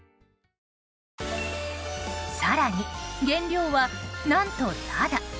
更に、原料は何とただ。